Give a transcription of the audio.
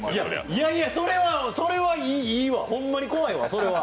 いやいや、それはいい、いいわ、ほんまに怖いわ、それは。